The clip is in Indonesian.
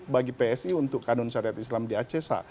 bagi psi untuk kanun syariat islam di aceh